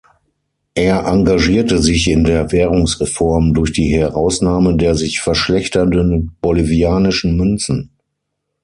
Er engagierte sich in der Währungsreform durch die Herausnahme der sich verschlechternden bolivianischen Münzen.